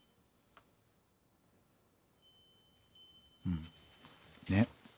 うんねっ。